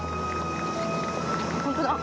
本当だ。